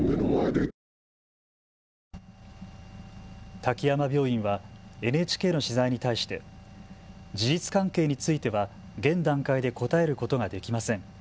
滝山病院はＮＨＫの取材に対して事実関係については現段階で答えることができません。